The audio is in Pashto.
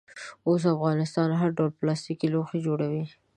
اوس افغانستان هر ډول پلاستیکي لوښي جوړوي.